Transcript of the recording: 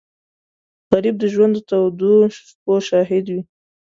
غریب د ژوند د تودو شپو شاهد وي